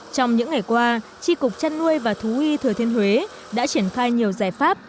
trong những ngày qua tri cục chăn nuôi và thú y thừa thiên huế đã triển khai nhiều giải pháp